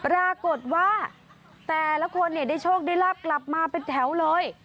ปรากฏว่าแต่ละคนเนี่ยได้โชคได้ลาบกลับมาเป็นแถวเลย